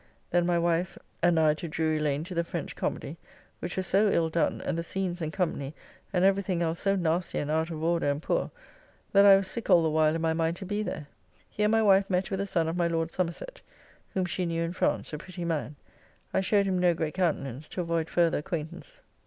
Then my wife end I to Drury Lane to the French comedy, which was so ill done, and the scenes and company and every thing else so nasty and out of order and poor, that I was sick all the while in my mind to be there. Here my wife met with a son of my Lord Somersett, whom she knew in France, a pretty man; I showed him no great countenance, to avoyd further acquaintance.